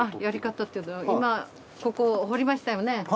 やり方というと今ここ掘りましたよね。